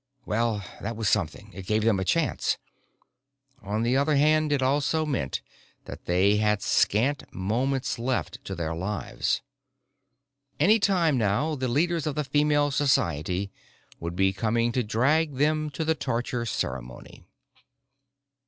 Well, that was something. It gave them a chance. On the other hand, it also meant that they had scant moments left to their lives. Any time now, the leaders of the Female Society would be coming to drag them to the torture ceremony.